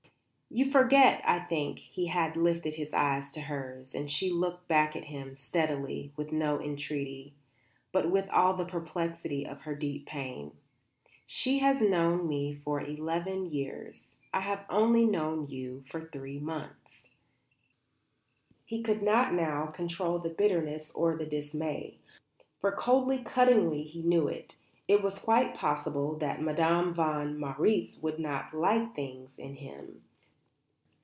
"You forget, I think," he had lifted his eyes to hers and she looked back at him, steadily, with no entreaty, but with all the perplexity of her deep pain. "She has known me for eleven years. I have only known you for three months." He could not now control the bitterness or the dismay; for, coldly, cuttingly he knew it, it was quite possible that Madame von Marwitz would not "like things" in him.